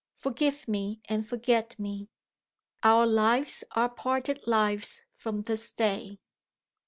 Forgive me, and forget me, our lives are parted lives from this day."